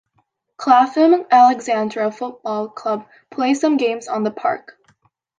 Clapham Alexandra football club play some games on the park.